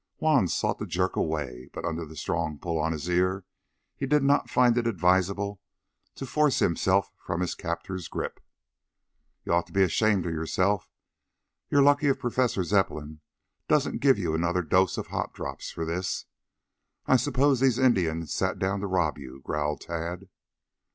Juan sought to jerk away, but under the strong pull on his ear, he did not find it advisable to force himself from his captor's grip. "You ought to be ashamed of yourself. You're lucky if Professor Zepplin doesn't give you another dose of hot drops for this. I suppose these Indians sat down to rob you," growled Tad.